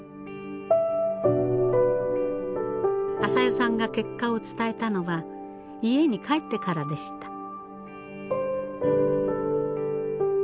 あさよさんが結果を伝えたのは家に帰ってからでした。